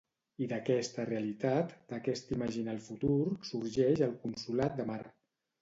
I d'aquesta realitat, d'aquest imaginar el futur, sorgeix el Consolat de Mar.